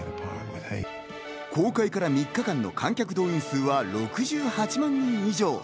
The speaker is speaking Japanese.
公開から３日間の観客動員数は６８万人以上。